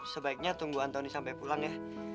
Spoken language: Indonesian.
sebaiknya tunggu antoni sampai pulang ya